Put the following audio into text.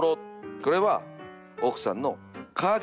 これは奥さんの陰。